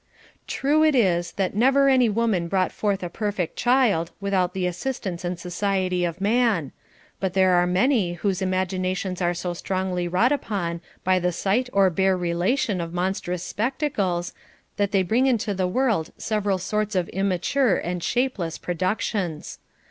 True it is, that never any woman brought forth a perfect child without the assistance and society of man, but there are many whose imaginations are so strongly wrought upon by the sight or bare relation of monstrous spectacles, that they bring into the world several sorts of immature and shapeless productions.